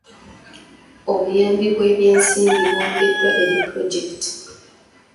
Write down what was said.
Obuyambi obw'ebyensimbi bwongeddwa eri pulojekiti.